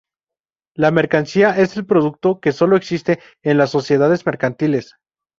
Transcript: La mercancía es el producto que solo existe en las sociedades mercantiles.